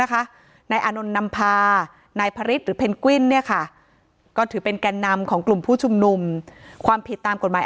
ค่ะก็ถือเป็นการนำของกลุ่มผู้ชุมนุมความผิดตามกฎหมาย